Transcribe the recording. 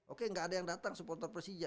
oke nggak ada yang datang supporter persija